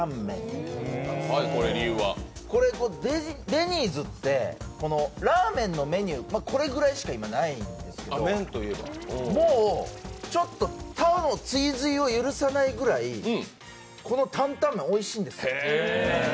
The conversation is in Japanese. デニーズって、ラーメンのメニュー、これぐらいしか今ないんですけど、もう、ちょっと他の追随を許さないぐらいこの担々麺、おいしいんですよ。